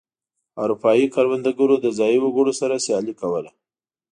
اروپايي کروندګرو د ځايي وګړو سره سیالي کوله.